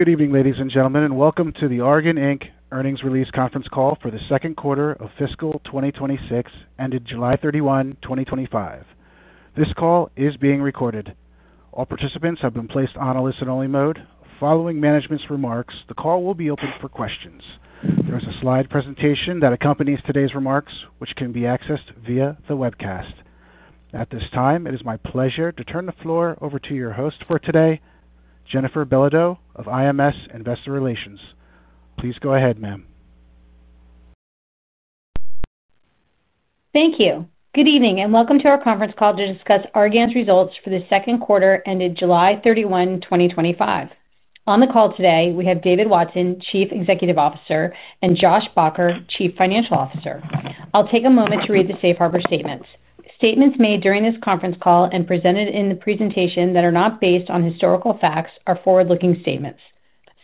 Good evening, ladies and gentlemen, and welcome to the Argan Inc. Earnings Release Conference Call for the Second Quarter of Fiscal 2026, ended July 31, 2025. This call is being recorded. All participants have been placed on a listen-only mode. Following management's remarks, the call will be open for questions. There is a slide presentation that accompanies today's remarks, which can be accessed via the webcast. At this time, it is my pleasure to turn the floor over to your host for today, Jennifer Belodeau of IMS Investor Relations. Please go ahead, ma'am. Thank you. Good evening and welcome to our conference call to discuss Argan's results for the second quarter, ended July 31, 2025. On the call today, we have David Watson, Chief Executive Officer, and Josh Baugher, Chief Financial Officer. I'll take a moment to read the safe harbor statements. Statements made during this conference call and presented in the presentation that are not based on historical facts are forward-looking statements.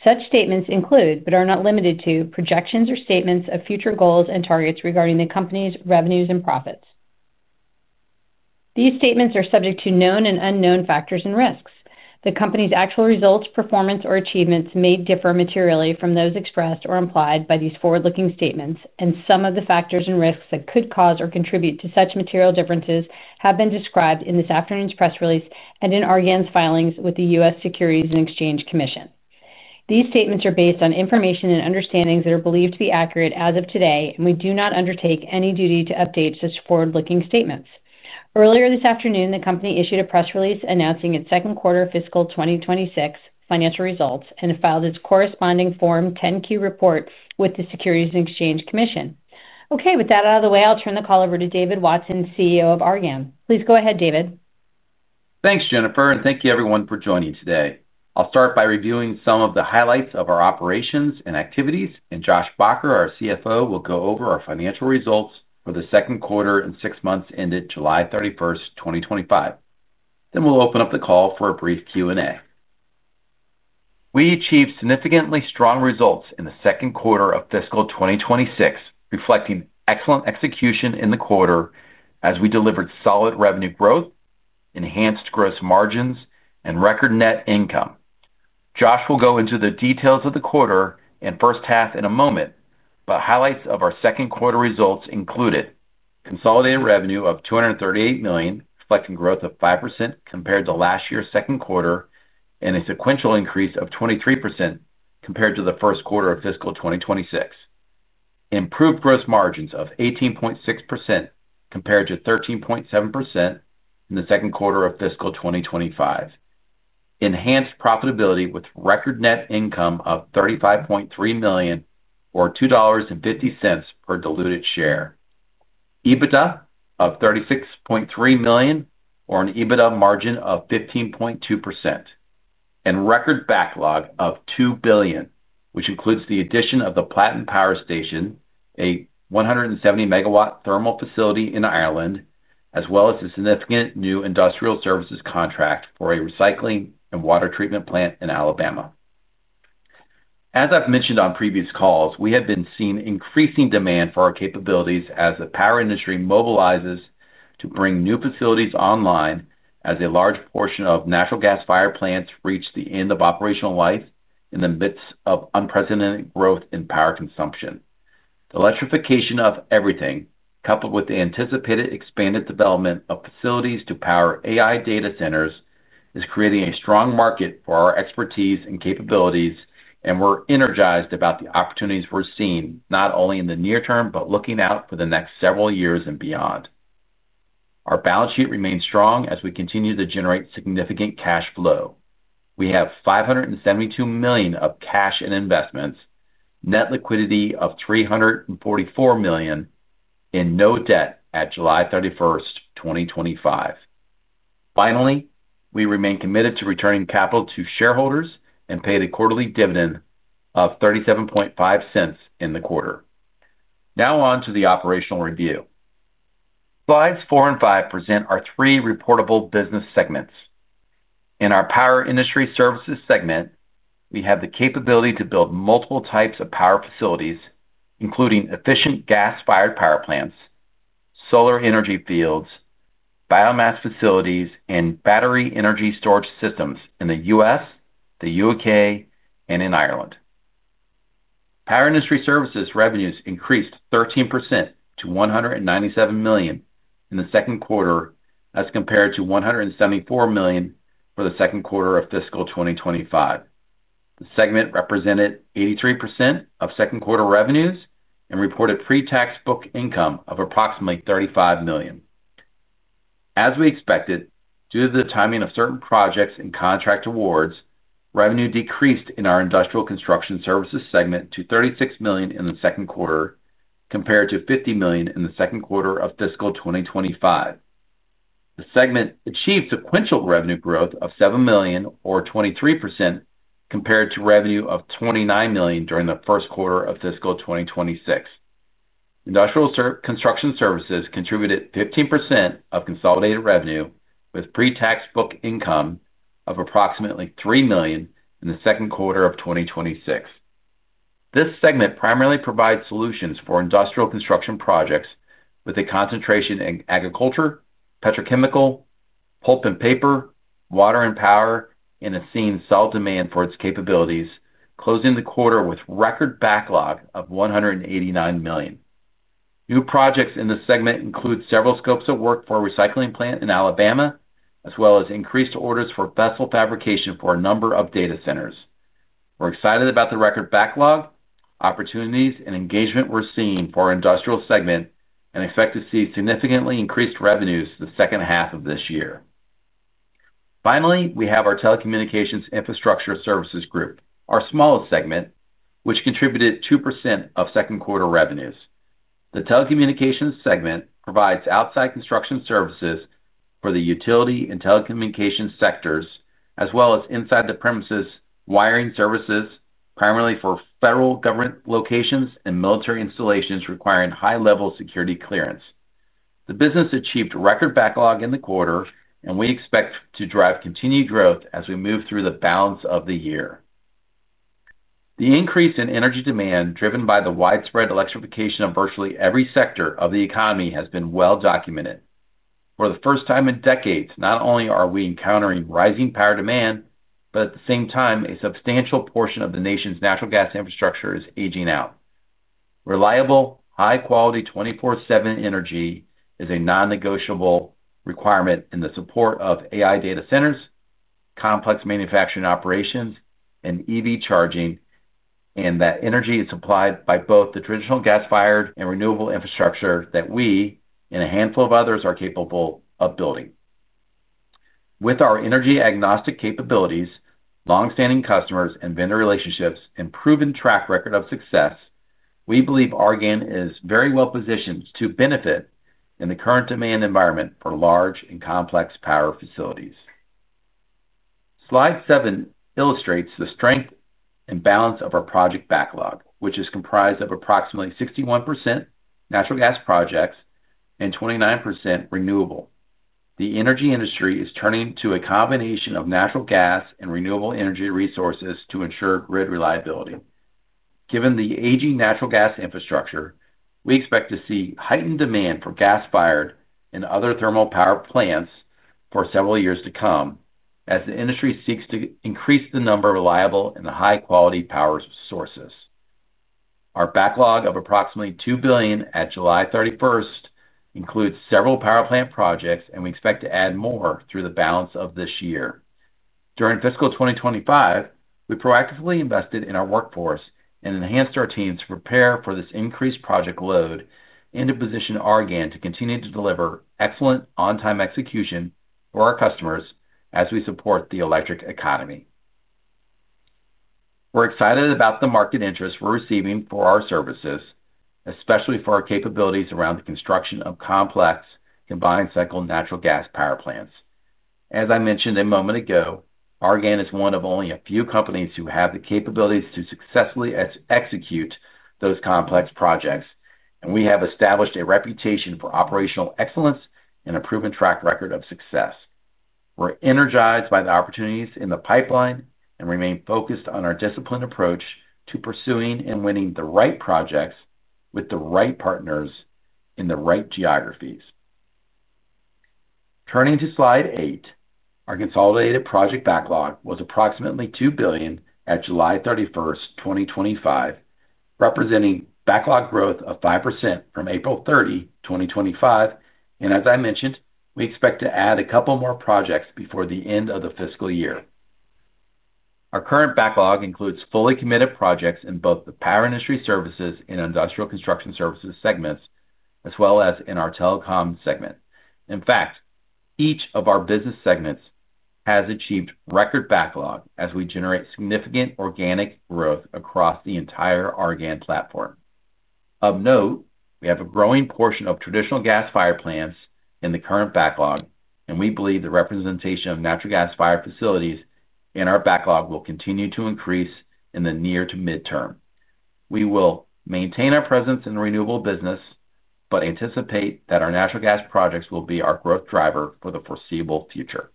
Such statements include, but are not limited to, projections or statements of future goals and targets regarding the company's revenues and profits. These statements are subject to known and unknown factors and risks. The company's actual results, performance, or achievements may differ materially from those expressed or implied by these forward-looking statements, and some of the factors and risks that could cause or contribute to such material differences have been described in this afternoon's press release and in Argan's filings with the U.S. Securities and Exchange Commission. These statements are based on information and understandings that are believed to be accurate as of today, and we do not undertake any duty to update such forward-looking statements. Earlier this afternoon, the company issued a press release announcing its second quarter fiscal 2026 financial results, and it filed its corresponding Form 10-Q report with the Securities and Exchange Commission. Okay, with that out of the way, I'll turn the call over to David Watson, CEO of Argan. Please go ahead, David. Thanks, Jennifer, and thank you everyone for joining today. I'll start by reviewing some of the highlights of our operations and activities, and Josh Baugher, our CFO, will go over our financial results for the second quarter and six months ended July 31st, 2025. We'll open up the call for a brief Q&A. We achieved significantly strong results in the second quarter of fiscal 2026, reflecting excellent execution in the quarter as we delivered solid revenue growth, enhanced gross margins, and record net income. Josh will go into the details of the quarter and first half in a moment, but highlights of our second quarter results included: consolidated revenue of $238 million, reflecting growth of 5% compared to last year's second quarter, and a sequential increase of 23% compared to the first quarter of fiscal 2026. Improved gross margins of 18.6% compared to 13.7% in the second quarter of fiscal 2025. Enhanced profitability with record net income of $35.3 million, or $2.50 per diluted share. EBITDA of $36.3 million, or an EBITDA margin of 15.2%. Record backlog of $2 billion, which includes the addition of the Platin Power Station, a 170-MW thermal facility in Ireland, as well as a significant new industrial services contract for a recycling and water treatment plant in Alabama. As I've mentioned on previous calls, we have been seeing increasing demand for our capabilities as the power industry mobilizes to bring new facilities online as a large portion of natural gas-fired plants reach the end of operational life in the midst of unprecedented growth in power consumption. The electrification of everything, coupled with the anticipated expanded development of facilities to power AI data centers, is creating a strong market for our expertise and capabilities, and we're energized about the opportunities we're seeing, not only in the near-term, but looking out for the next several years and beyond. Our balance sheet remains strong as we continue to generate significant cash flow. We have $572 million of cash and investments, net liquidity of $344 million, and no debt at July 31st, 2025. Finally, we remain committed to returning capital to shareholders and paid a quarterly dividend of $0.375 in the quarter. Now on to the operational review. Slides four and five present our three reportable business segments. In our power industry services segment, we have the capability to build multiple types of power facilities, including efficient gas-fired power plants, solar energy fields, biomass facilities, and battery energy storage systems in the U.S., the U.K., and in Ireland. Power industry services revenues increased 13% to $197 million in the second quarter, as compared to $174 million for the second quarter of fiscal 2025. The segment represented 83% of second quarter revenues and reported pre-tax book income of approximately $35 million. As we expected, due to the timing of certain projects and contract awards, revenue decreased in our industrial construction services segment to $36 million in the second quarter, compared to $50 million in the second quarter of fiscal 2025. The segment achieved sequential revenue growth of $7 million, or 23%, compared to revenue of $29 million during the first quarter of fiscal 2026. Industrial construction services contributed 15% of consolidated revenue, with pre-tax book income of approximately $3 million in the second quarter of 2026. This segment primarily provides solutions for industrial construction projects with a concentration in agriculture, petrochemical, pulp and paper, water and power, and has seen solid demand towards capabilities, closing the quarter with a record backlog of $189 million. New projects in the segment include several scopes of work for a recycling plant in Alabama, as well as increased orders for vessel fabrication for a number of data centers. We're excited about the record backlog, opportunities, and engagement we're seeing for our industrial segment, and expect to see significantly increased revenues in the second half of this year. Finally, we have our telecommunications infrastructure services group, our smallest segment, which contributed 2% of second quarter revenues. The telecommunications segment provides outside construction services for the utility and telecommunications sectors, as well as inside premises wiring services, primarily for federal government locations and military installations requiring high-level security clearance. The business achieved a record backlog in the quarter, and we expect to drive continued growth as we move through the balance of the year. The increase in energy demand, driven by the widespread electrification of virtually every sector of the economy, has been well documented. For the first time in decades, not only are we encountering rising power demand, but at the same time, a substantial portion of the nation's natural gas infrastructure is aging out. Reliable, high-quality 24/7 energy is a non-negotiable requirement in the support of AI data centers, complex manufacturing operations, and EV charging, and that energy is supplied by both the traditional gas-fired and renewable infrastructure that we, and a handful of others, are capable of building. With our energy-agnostic capabilities, longstanding customers and vendor relationships, and proven track record of success, we believe Argan is very well positioned to benefit in the current demand environment for large and complex power facilities. Slide seven illustrates the strength and balance of our project backlog, which is comprised of approximately 61% natural gas projects and 29% renewable. The energy industry is turning to a combination of natural gas and renewable energy resources to ensure grid reliability. Given the aging natural gas infrastructure, we expect to see heightened demand for gas-fired and other thermal power plants for several years to come as the industry seeks to increase the number of reliable and high-quality power sources. Our backlog of approximately $2 billion at July 31st includes several power plant projects, and we expect to add more through the balance of this year. During fiscal 2025, we proactively invested in our workforce and enhanced our teams to prepare for this increased project load and to position Argan to continue to deliver excellent on-time execution for our customers as we support the electric economy. We're excited about the market interest we're receiving for our services, especially for our capabilities around the construction of complex combined cycle natural gas power plants. As I mentioned a moment ago, Argan is one of only a few companies who have the capabilities to successfully execute those complex projects, and we have established a reputation for operational excellence and a proven track record of success. We're energized by the opportunities in the pipeline and remain focused on our disciplined approach to pursuing and winning the right projects with the right partners in the right geographies. Turning to slide eight, our consolidated project backlog was approximately $2 billion at July 31st, 2025, representing backlog growth of 5% from April 30, 2025, and as I mentioned, we expect to add a couple more projects before the end of the fiscal year. Our current backlog includes fully committed projects in both the power industry services and industrial construction services segments, as well as in our telecom segment. In fact, each of our business segments has achieved a record backlog as we generate significant organic growth across the entire Argan platform. Of note, we have a growing portion of traditional gas-fired plants in the current backlog, and we believe the representation of natural gas-fired facilities in our backlog will continue to increase in the near to midterm. We will maintain our presence in the renewable business, but anticipate that our natural gas projects will be our growth driver for the foreseeable future.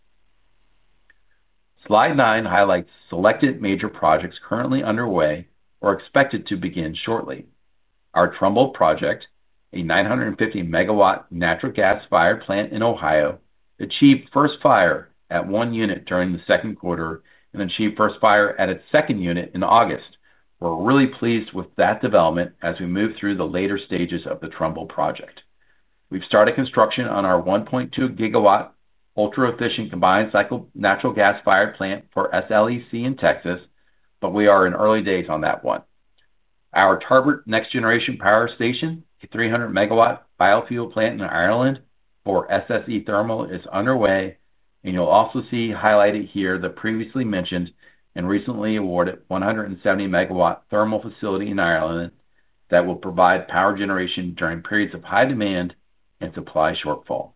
Slide nine highlights selected major projects currently underway or expected to begin shortly. Our Trumbull project, a 950-MW natural gas-fired plant in Ohio, achieved first fire at one unit during the second quarter and achieved first fire at its second unit in August. We're really pleased with that development as we move through the later stages of the Trumbull project. We've started construction on our 1.2-GW ultra-efficient combined cycle natural gas-fired plant for SLEC in Texas, but we are in early days on that one. Our Tarbert Next Generation Power Station, a 300-MW biofuel plant in Ireland for SSE Thermal, is underway, and you'll also see highlighted here the previously mentioned and recently awarded 170-MW thermal facility in Ireland that will provide power generation during periods of high demand and supply shortfall.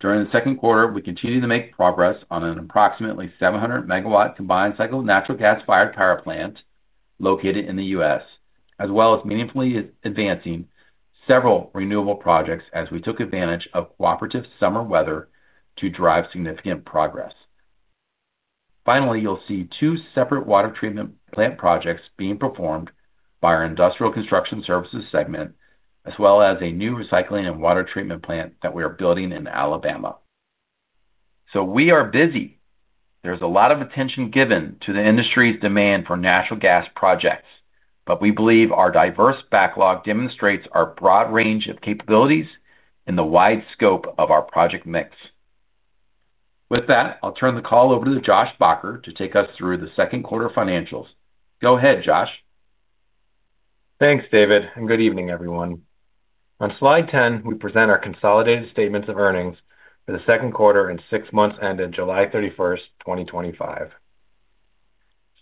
During the second quarter, we continue to make progress on an approximately 700-MW combined cycle natural gas-fired power plant located in the U.S., as well as meaningfully advancing several renewable projects as we took advantage of cooperative summer weather to drive significant progress. Finally, you'll see two separate water treatment plant projects being performed by our industrial construction services segment, as well as a new recycling and water treatment plant that we are building in Alabama. We are busy. There's a lot of attention given to the industry's demand for natural gas projects, but we believe our diverse backlog demonstrates our broad range of capabilities and the wide scope of our project mix. With that, I'll turn the call over to Josh Baugher to take us through the second quarter financials. Go ahead, Josh. Thanks, David, and good evening, everyone. On slide 10, we present our consolidated statements of earnings for the second quarter and six months ended July 31st, 2025.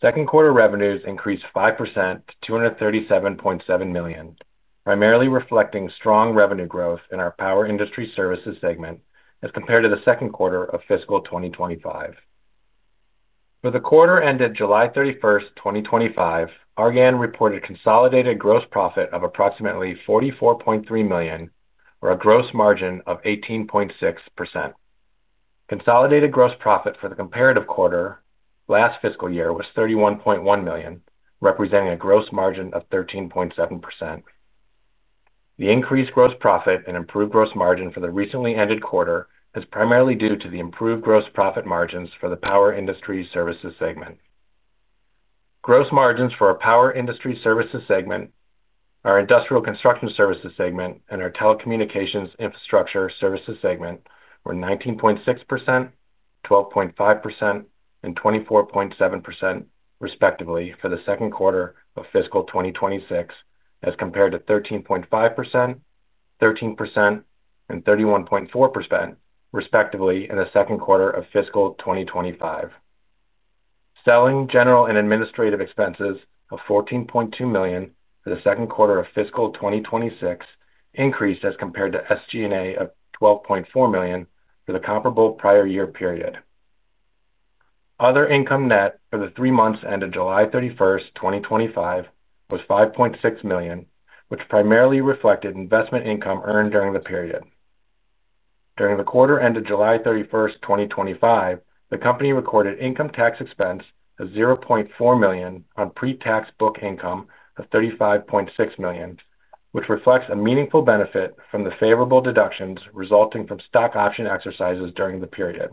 Second quarter revenues increased 5% to $237.7 million, primarily reflecting strong revenue growth in our power industry services segment as compared to the second quarter of fiscal 2025. For the quarter ended July 31st, 2025, Argan reported a consolidated gross profit of approximately $44.3 million, or a gross margin of 18.6%. Consolidated gross profit for the comparative quarter last fiscal year was $31.1 million, representing a gross margin of 13.7%. The increased gross profit and improved gross margin for the recently ended quarter is primarily due to the improved gross profit margins for the power industry services segment. Gross margins for our power industry services segment, our industrial construction services segment, and our telecommunications infrastructure services segment were 19.6%, 12.5%, and 24.7%, respectively, for the second quarter of fiscal 2026, as compared to 13.5%, 13%, and 31.4%, respectively, in the second quarter of fiscal 2025. Selling, general and administrative expenses of $14.2 million for the second quarter of fiscal 2026 increased as compared to SG&A of $12.4 million for the comparable prior year period. Other income, net for the three months ended July 31st, 2025 was $5.6 million, which primarily reflected investment income earned during the period. During the quarter ended July 31st, 2025, the company recorded income tax expense of $0.4 million on pre-tax book income of $35.6 million, which reflects a meaningful benefit from the favorable deductions resulting from stock option exercises during the period.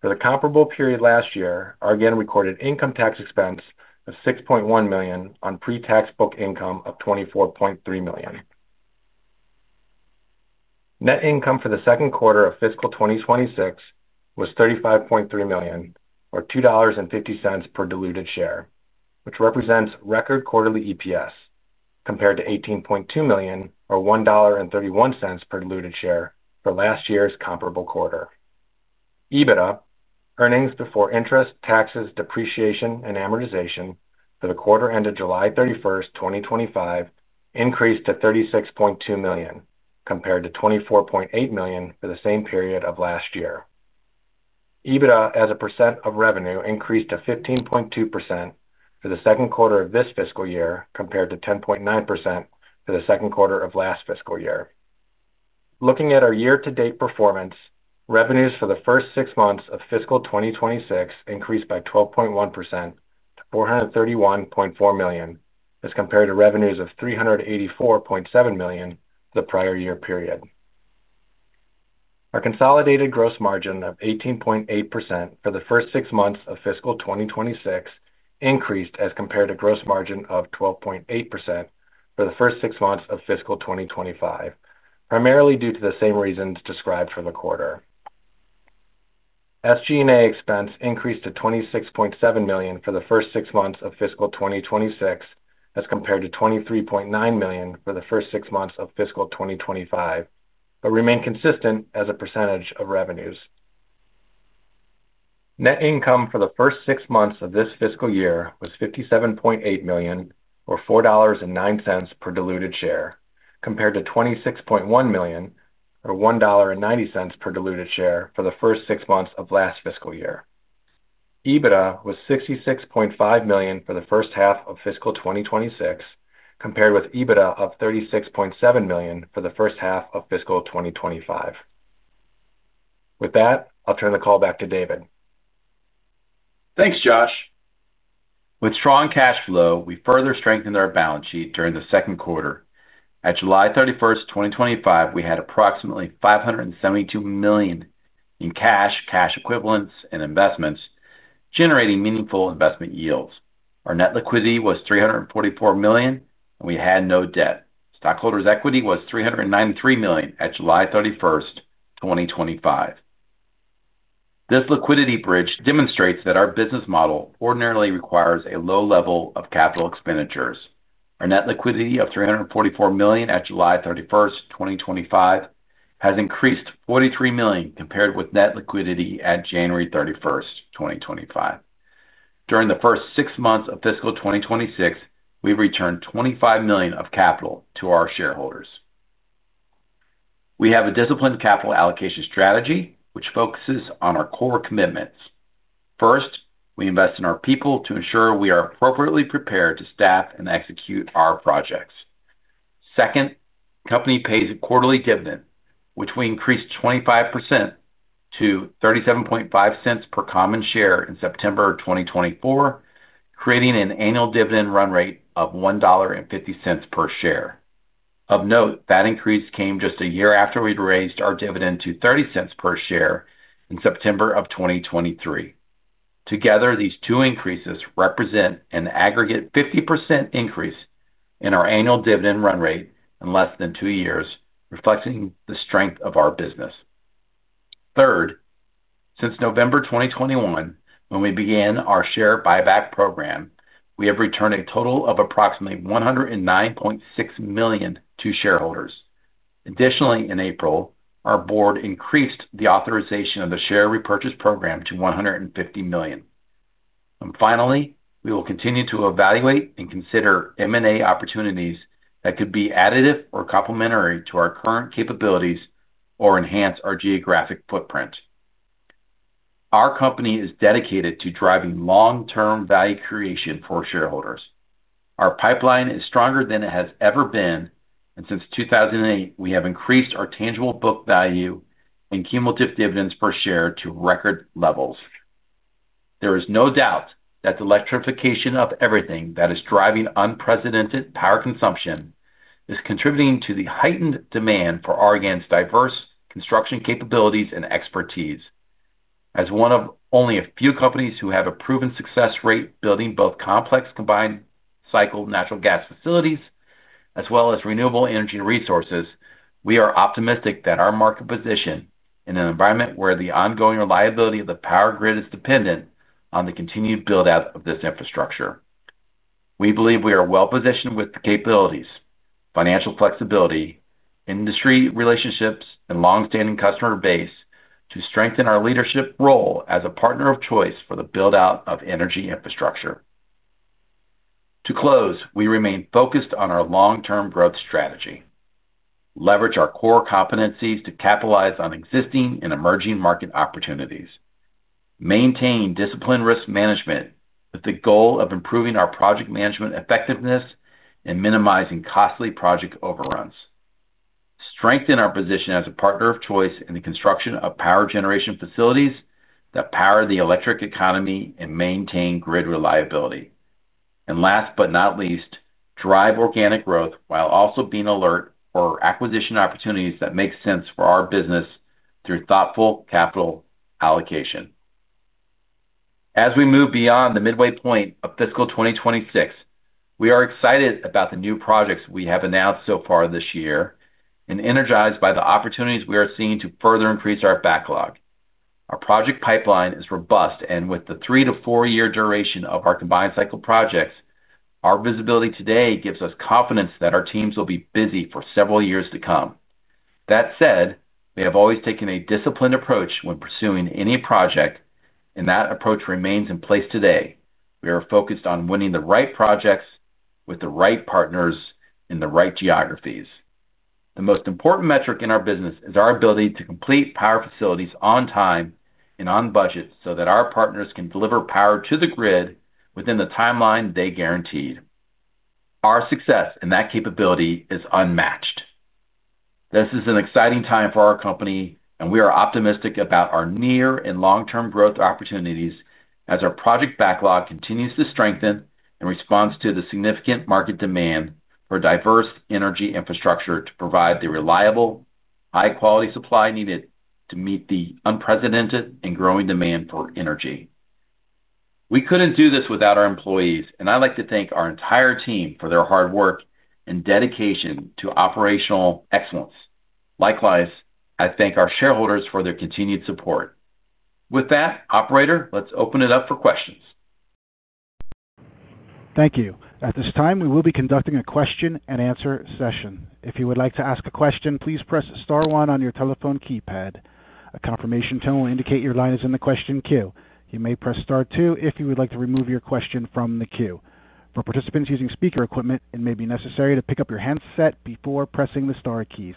For the comparable period last year, Argan recorded income tax expense of $6.1 million on pre-tax book income of $24.3 million. Net income for the second quarter of fiscal 2026 was $35.3 million, or $2.50 per diluted share, which represents record quarterly EPS compared to $18.2 million, or $1.31 per diluted share for last year's comparable quarter. EBITDA, earnings before interest, taxes, depreciation, and amortization for the quarter ended July 31st, 2025, increased to $36.2 million compared to $24.8 million for the same period of last year. EBITDA as a percent of revenue increased to 15.2% for the second quarter of this fiscal year compared to 10.9% for the second quarter of last fiscal year. Looking at our year-to-date performance, revenues for the first six months of fiscal 2026 increased by 12.1% to $431.4 million, as compared to revenues of $384.7 million for the prior year period. Our consolidated gross margin of 18.8% for the first six months of fiscal 2026 increased as compared to a gross margin of 12.8% for the first six months of fiscal 2025, primarily due to the same reasons described for the quarter. SG&A expense increased to $26.7 million for the first six months of fiscal 2026, as compared to $23.9 million for the first six months of fiscal 2025, but remained consistent as a percentage of revenues. Net income for the first six months of this fiscal year was $57.8 million, or $4.09 per diluted share, compared to $26.1 million, or $1.90 per diluted share for the first six months of last fiscal year. EBITDA was $66.5 million for the first half of fiscal 2026, compared with EBITDA of $36.7 million for the first half of fiscal 2025. With that, I'll turn the call back to David. Thanks, Josh. With strong cash flow, we further strengthened our balance sheet during the second quarter. At July 31st, 2025, we had approximately $572 million in cash, cash equivalents, and investments, generating meaningful investment yields. Our net liquidity was $344 million, and we had no debt. Stockholders' equity was $393 million at July 31st, 2025. This liquidity bridge demonstrates that our business model ordinarily requires a low level of capital expenditures. Our net liquidity of $344 million at July 31st, 2025, has increased $43 million compared with net liquidity at January 31st, 2025. During the first six months of fiscal 2026, we returned $25 million of capital to our shareholders. We have a disciplined capital allocation strategy, which focuses on our core commitments. First, we invest in our people to ensure we are appropriately prepared to staff and execute our projects. Second, the company pays a quarterly dividend, which we increased 25% to $0.375 per common share in September of 2024, creating an annual dividend run rate of $1.50 per share. Of note, that increase came just a year after we'd raised our dividend to $0.30 per share in September of 2023. Together, these two increases represent an aggregate 50% increase in our annual dividend run rate in less than two years, reflecting the strength of our business. Third, since November 2021, when we began our share buyback program, we have returned a total of approximately $109.6 million to shareholders. Additionally, in April, our board increased the authorization of the share repurchase program to $150 million. Finally, we will continue to evaluate and consider M&A opportunities that could be additive or complementary to our current capabilities or enhance our geographic footprint. Our company is dedicated to driving long-term value creation for shareholders. Our pipeline is stronger than it has ever been, and since 2008, we have increased our tangible book value and cumulative dividends per share to record levels. There is no doubt that the electrification of everything that is driving unprecedented power consumption is contributing to the heightened demand for Argan's diverse construction capabilities and expertise. As one of only a few companies who have a proven success rate building both complex combined cycle natural gas facilities, as well as renewable energy resources, we are optimistic that our market position in an environment where the ongoing reliability of the power grid is dependent on the continued build-out of this infrastructure. We believe we are well positioned with the capabilities, financial flexibility, industry relationships, and longstanding customer base to strengthen our leadership role as a partner of choice for the build-out of energy infrastructure. To close, we remain focused on our long-term growth strategy, leverage our core competencies to capitalize on existing and emerging market opportunities, maintain disciplined risk management with the goal of improving our project management effectiveness and minimizing costly project overruns, strengthen our position as a partner of choice in the construction of power generation facilities that power the electric economy and maintain grid reliability, and last but not least, drive organic growth while also being alert for acquisition opportunities that make sense for our business through thoughtful capital allocation. As we move beyond the midway point of fiscal 2026, we are excited about the new projects we have announced so far this year and energized by the opportunities we are seeing to further increase our backlog. Our project pipeline is robust, and with the three to four-year duration of our combined cycle projects, our visibility today gives us confidence that our teams will be busy for several years to come. That said, we have always taken a disciplined approach when pursuing any project, and that approach remains in place today. We are focused on winning the right projects with the right partners in the right geographies. The most important metric in our business is our ability to complete power facilities on time and on budget so that our partners can deliver power to the grid within the timeline they guaranteed. Our success in that capability is unmatched. This is an exciting time for our company, and we are optimistic about our near and long-term growth opportunities as our project backlog continues to strengthen in response to the significant market demand for diverse energy infrastructure to provide the reliable, high-quality supply needed to meet the unprecedented and growing demand for energy. We couldn't do this without our employees, and I'd like to thank our entire team for their hard work and dedication to operational excellence. Likewise, I thank our shareholders for their continued support. With that, operator, let's open it up for questions. Thank you. At this time, we will be conducting a question and answer session. If you would like to ask a question, please press star one on your telephone keypad. A confirmation tone will indicate your line is in the question queue. You may press star two if you would like to remove your question from the queue. For participants using speaker equipment, it may be necessary to pick up your headset before pressing the star keys.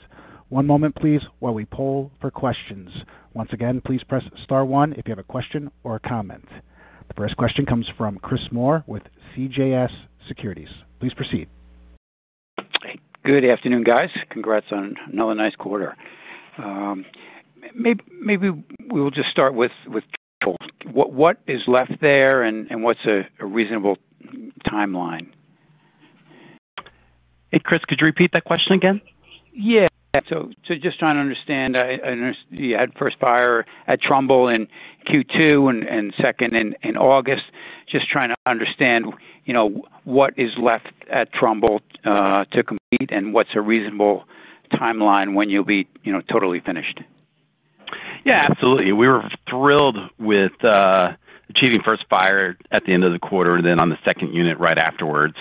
One moment, please, while we poll for questions. Once again, please press star one if you have a question or a comment. The first question comes from Chris Moore with CJS Securities. Please proceed. Hey, good afternoon, guys. Congrats on another nice quarter. Maybe we will just start with what is left there and what's a reasonable timeline? Hey, Chris, could you repeat that question again? Yeah. I understand you had first fire at Trumbull in Q2 and second in August. Just trying to understand what is left at Trumbull to complete and what's a reasonable timeline when you'll be totally finished. Yeah, absolutely. We were thrilled with achieving first fire at the end of the quarter and then on the second unit right afterwards,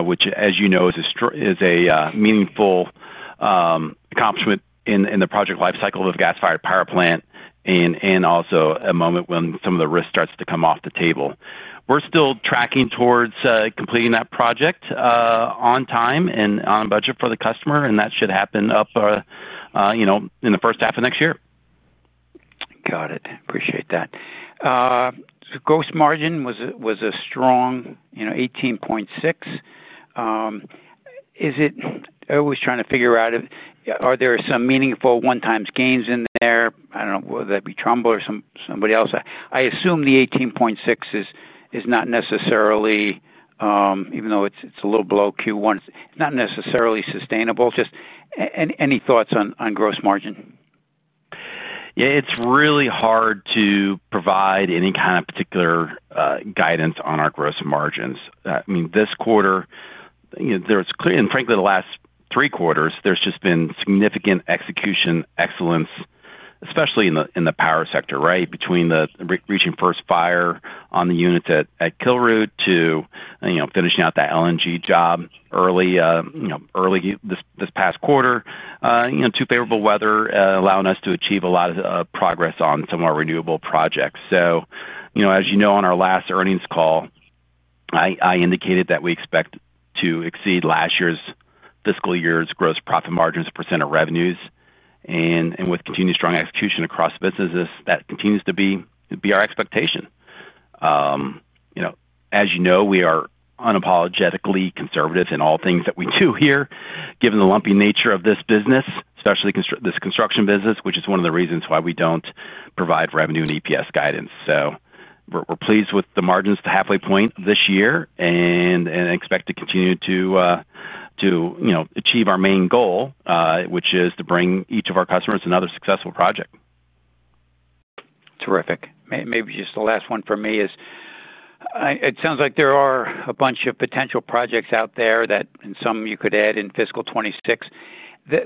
which, as you know, is a meaningful accomplishment in the project lifecycle of a gas-fired power plant and also a moment when some of the risk starts to come off the table. We're still tracking towards completing that project on time and on a budget for the customer, and that should happen in the first half of next year. Got it. Appreciate that. Gross margin was a strong, you know, 18.6%. I was trying to figure out if there are some meaningful one-time gains in there. I don't know whether that be Trumbull or somebody else. I assume the 18.6% is not necessarily, even though it's a little below Q1, it's not necessarily sustainable. Just any thoughts on gross margin? Yeah, it's really hard to provide any kind of particular guidance on our gross margins. I mean, this quarter, there's clear, and frankly, the last three quarters, there's just been significant execution excellence, especially in the power sector, right? Between reaching first fire on the units at Killroot to finishing out that LNG job early, early this past quarter, too, favorable weather allowing us to achieve a lot of progress on some more renewable projects. As you know, on our last earnings call, I indicated that we expect to exceed last year's fiscal year's gross profit margins percent of revenues. With continued strong execution across businesses, that continues to be our expectation. As you know, we are unapologetically conservative in all things that we do here, given the lumpy nature of this business, especially this construction business, which is one of the reasons why we don't provide revenue and EPS guidance. We're pleased with the margins to halfway point this year and expect to continue to achieve our main goal, which is to bring each of our customers another successful project. Terrific. Maybe just the last one for me is, it sounds like there are a bunch of potential projects out there that in some you could add in fiscal 2026.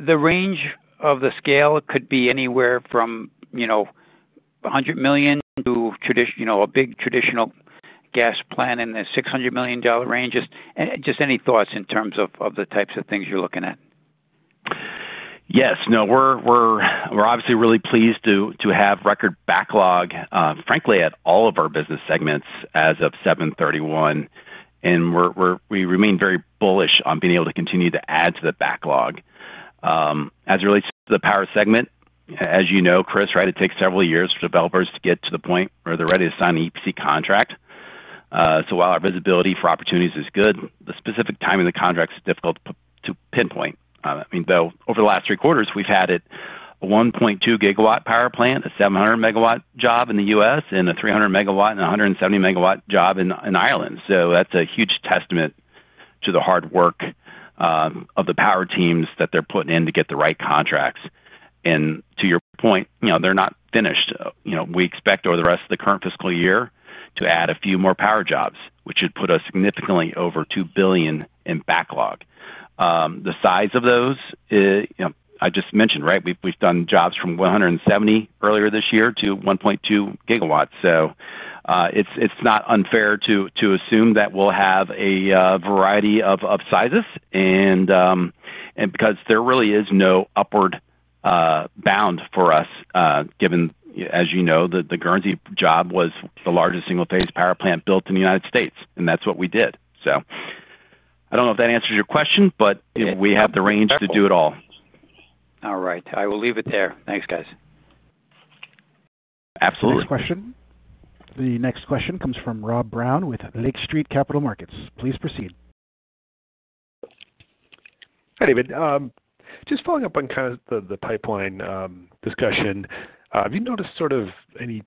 The range of the scale could be anywhere from, you know, $100 million to, you know, a big traditional gas plant in the $600 million range. Just any thoughts in terms of the types of things you're looking at? Yes. No, we're obviously really pleased to have record backlog, frankly, at all of our business segments as of 7/31/2025, and we remain very bullish on being able to continue to add to the backlog. As it relates to the power segment, as you know, Chris, it takes several years for developers to get to the point where they're ready to sign an EPC contract. While our visibility for opportunities is good, the specific timing of the contracts is difficult to pinpoint. Over the last three quarters, we've had a 1.2-GWpower plant, a 700-MW job in the U.S., and a 300-MW and a 170-MW job in Ireland. That's a huge testament to the hard work of the power teams that they're putting in to get the right contracts. To your point, they're not finished. We expect over the rest of the current fiscal year to add a few more power jobs, which would put us significantly over $2 billion in backlog. The size of those, I just mentioned, we've done jobs from 170 GW earlier this year to 1.2 GW. It's not unfair to assume that we'll have a variety of sizes, and because there really is no upward bound for us, given, as you know, the Guernsey job was the largest single-phase power plant built in the United States, and that's what we did. I don't know if that answers your question, but we have the range to do it all. All right, I will leave it there. Thanks, guys. Absolutely. Next question. The next question comes from Rob Brown with Lake Street Capital Markets. Please proceed. Hi, David. Just following up on the pipeline discussion, have you noticed any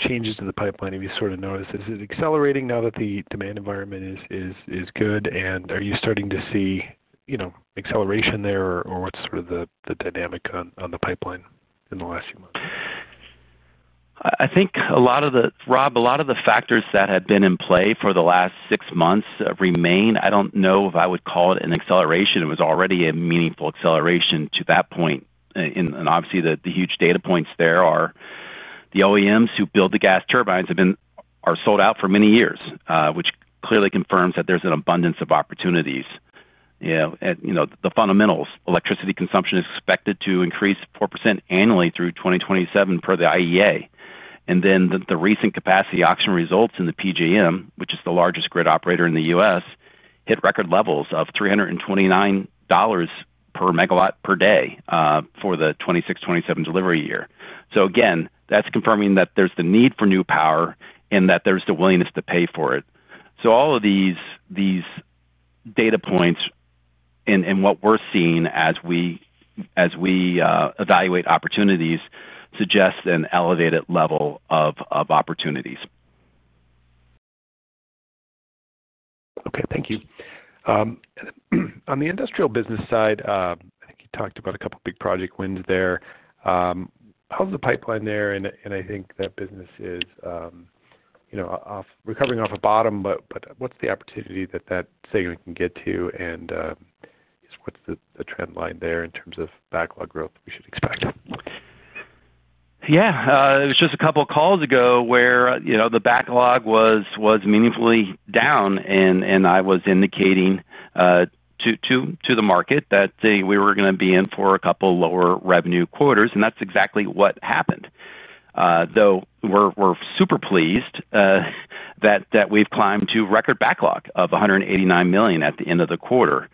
changes to the pipeline? Is it accelerating now that the demand environment is good, and are you starting to see acceleration there, or what's the dynamic on the pipeline in the last few months? I think a lot of the, Rob, a lot of the factors that have been in play for the last six months remain. I don't know if I would call it an acceleration. It was already a meaningful acceleration to that point. Obviously, the huge data points there are the OEMs who build the gas turbines have been sold out for many years, which clearly confirms that there's an abundance of opportunities. The fundamentals, electricity consumption is expected to increase 4% annually through 2027 per the IEA. The recent capacity auction results in the PJM, which is the largest grid operator in the U.S., hit record levels of $329 per megawatt per day for the 2026-2027 delivery year. That is confirming that there's the need for new power and that there's the willingness to pay for it. All of these data points and what we're seeing as we evaluate opportunities suggest an elevated level of opportunities. Okay, thank you. On the industrial business side, you talked about a couple of big project wins there. How's the pipeline there? I think that business is recovering off a bottom, but what's the opportunity that that segment can get to, and what's the trend line there in terms of backlog growth we should expect? Yeah, it was just a couple of calls ago where the backlog was meaningfully down, and I was indicating to the market that we were going to be in for a couple lower revenue quarters, and that's exactly what happened. Though we're super pleased that we've climbed to a record backlog of $189 million at the end of the quarter,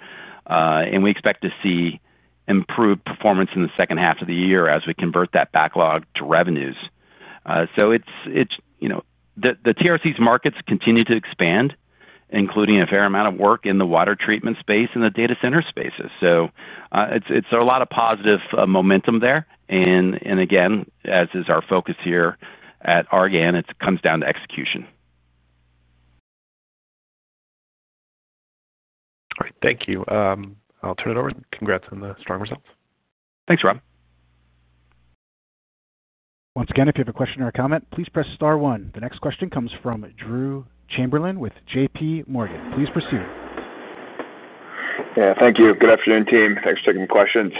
and we expect to see improved performance in the second half of the year as we convert that backlog to revenues. The TRC's markets continue to expand, including a fair amount of work in the water treatment space and the data center spaces. It's a lot of positive momentum there, and again, as is our focus here at Argan, it comes down to execution. Great, thank you. I'll turn it over. Congrats on the strong results. Thanks, Rob. Once again, if you have a question or a comment, please press star one. The next question comes from Drew Chamberlain with JPMorgan. Please proceed. Yeah, thank you. Good afternoon, team. Thanks for taking the questions.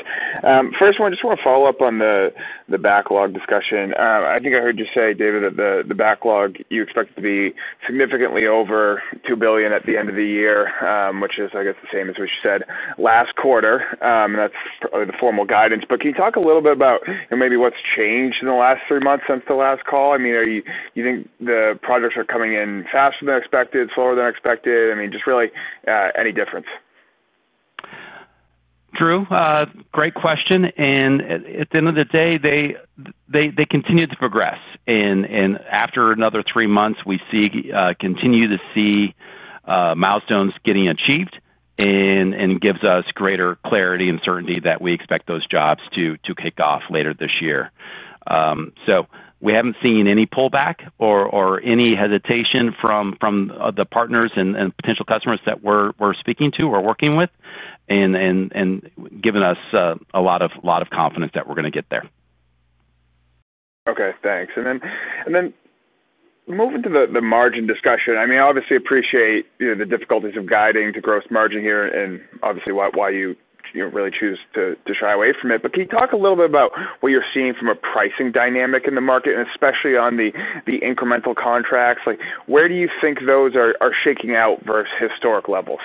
First, I just want to follow up on the backlog discussion. I think I heard you say, David, that the backlog you expect to be significantly over $2 billion at the end of the year, which is, I guess, the same as what you said last quarter, and that's probably the formal guidance. Can you talk a little bit about maybe what's changed in the last three months since the last call? I mean, do you think the projects are coming in faster than expected, slower than expected? I mean, just really any difference? Drew, great question. At the end of the day, they continue to progress. After another three months, we continue to see milestones getting achieved, and it gives us greater clarity and certainty that we expect those jobs to kick off later this year. We haven't seen any pullback or any hesitation from the partners and potential customers that we're speaking to or working with, and it has given us a lot of confidence that we're going to get there. Okay, thanks. Moving to the margin discussion, I appreciate the difficulties of guiding to gross margin here, and obviously why you really choose to shy away from it. Can you talk a little bit about what you're seeing from a pricing dynamic in the market, especially on the incremental contracts? Where do you think those are shaking out versus historic levels?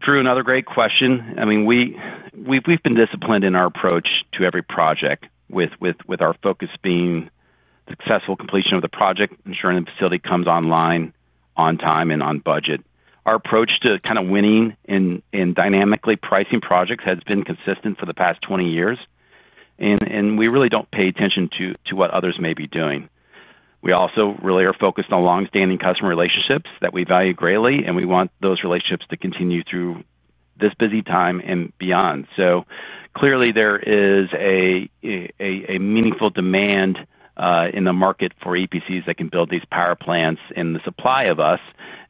Drew, another great question. We've been disciplined in our approach to every project, with our focus being successful completion of the project, ensuring the facility comes online on time and on budget. Our approach to kind of winning and dynamically pricing projects has been consistent for the past 20 years, and we really don't pay attention to what others may be doing. We also really are focused on longstanding customer relationships that we value greatly, and we want those relationships to continue through this busy time and beyond. There is a meaningful demand in the market for EPCs that can build these power plants, and the supply of us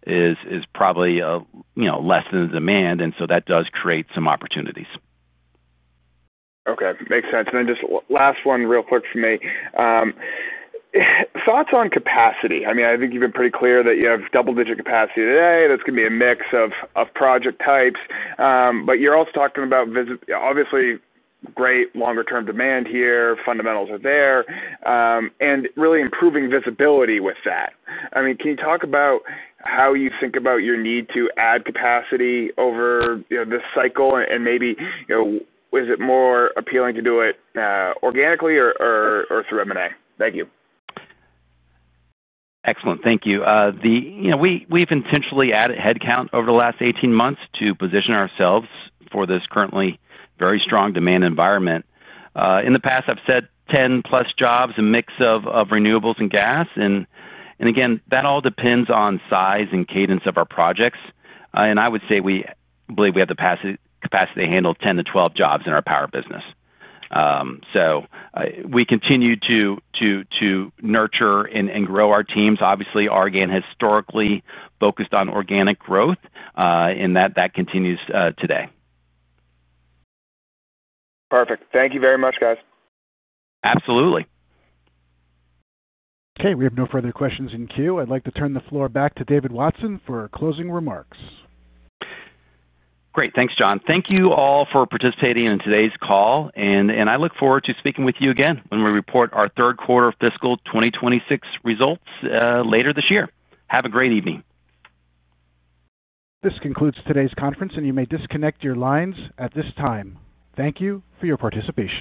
is probably, you know, less than the demand, and that does create some opportunities. Okay, makes sense. Just last one real quick for me. Thoughts on capacity? I think you've been pretty clear that you have double-digit capacity today. That's going to be a mix of project types. You're also talking about, obviously, great longer term demand here, fundamentals are there, and really improving visibility with that. Can you talk about how you think about your need to add capacity over this cycle, and maybe, you know, is it more appealing to do it organically or through M&A? Thank you. Excellent, thank you. We've intentionally added headcount over the last 18 months to position ourselves for this currently very strong demand environment. In the past, I've said 10+ jobs, a mix of renewables and gas, and again, that all depends on size and cadence of our projects. I would say we believe we have the capacity to handle 10 to 12 jobs in our power business. We continue to nurture and grow our teams. Obviously, Argan historically focused on organic growth, and that continues today. Perfect. Thank you very much, guys. Absolutely. Okay, we have no further questions in queue. I'd like to turn the floor back to David Watson for closing remarks. Great, thanks, John. Thank you all for participating in today's call, and I look forward to speaking with you again when we report our third quarter fiscal 2026 results later this year. Have a great evening. This concludes today's conference, and you may disconnect your lines at this time. Thank you for your participation.